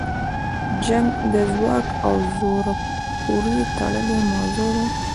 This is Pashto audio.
جنګ د ځواک او زوره پورې تړلې موضوع ده.